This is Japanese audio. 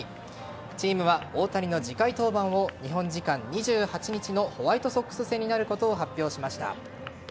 チームは大谷の次回登板を日本時間２８日のホワイトソックス戦になることを発表しました。